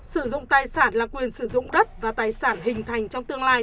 sử dụng tài sản là quyền sử dụng đất và tài sản hình thành trong tương lai